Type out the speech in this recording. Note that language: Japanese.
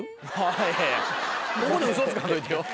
ここでうそつかんといてよ。